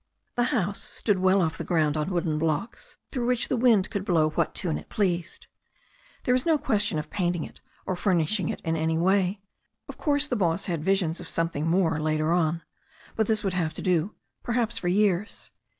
The house stood well off the ground on wooden blocks through which the wind could blow what tune it pleased. There was no question of painting it or finishing it in any way. Of course the boss had visions of something more later on. But this would have to do, perhaps for years.